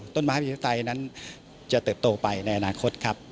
ต้นมหาภิกษาไตยนั้นจะเติบโตไปในอนาคตครับ